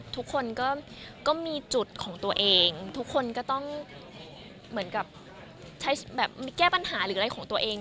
ทุกคนก็มีจุดของตัวเองทุกคนก็ต้องแก้ปัญหาหรืออะไรของตัวเอง